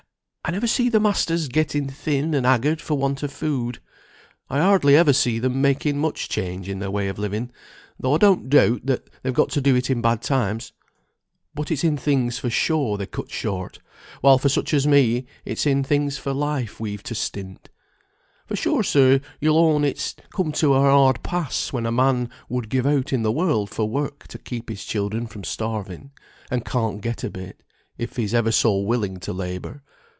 I never see the masters getting thin and haggard for want of food; I hardly ever see them making much change in their way of living, though I don't doubt they've got to do it in bad times. But it's in things for show they cut short; while for such as me, it's in things for life we've to stint. For sure, sir, you'll own it's come to a hard pass when a man would give aught in the world for work to keep his children from starving, and can't get a bit, if he's ever so willing to labour.